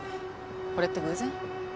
これって偶然？